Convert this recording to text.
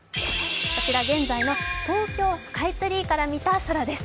こちら現在の東京スカイツリーから見た空です。